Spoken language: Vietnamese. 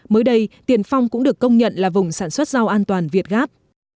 mới đây tiền phong cũng được công nhận là vùng sản xuất rau an toàn việt gáp